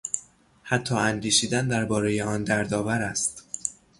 حتی اندیشیدن دربارهی آن دردآور است.